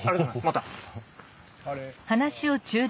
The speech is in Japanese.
また。